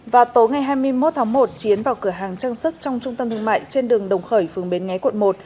vào tối ngày hai mươi một tháng một chiến vào cửa hàng trang sức trong trung tâm thương mại trên đường đồng khởi phường bến nghé quận một